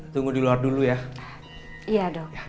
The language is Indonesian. tunggu di luar dulu ya iya dong